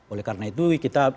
oleh karena itu kita